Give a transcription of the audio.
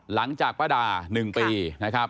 หลังจากป้าดา๑ปี